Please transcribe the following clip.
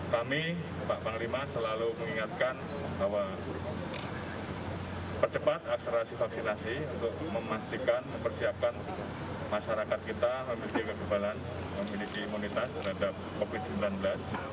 kami pak panglima selalu mengingatkan bahwa percepat akselerasi vaksinasi untuk memastikan mempersiapkan masyarakat kita memiliki kekebalan memiliki imunitas terhadap covid sembilan belas